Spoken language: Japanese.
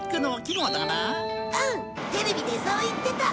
テレビでそう言ってた。